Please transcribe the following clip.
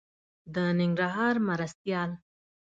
د ننګرهار مرستيال